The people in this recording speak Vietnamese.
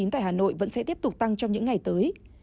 tại hà nội vẫn sẽ tiếp tục tăng trong những ngày tới